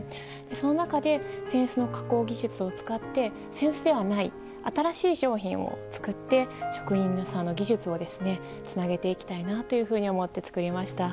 その中で扇子の加工技術を使って扇子ではない新しい商品を作って職人さんの技術をつなげていきたいなというふうに思って作りました。